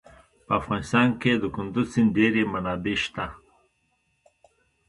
په افغانستان کې د کندز سیند ډېرې منابع شته.